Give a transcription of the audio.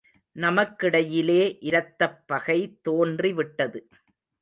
நமக்கிடையிலே இரத்தப் பகை தோன்றிவிட்டது.